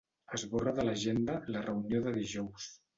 Esborra de l'agenda la reunió de dijous.